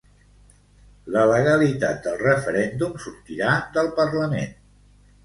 La legalitat del referèndum sortirà del parlament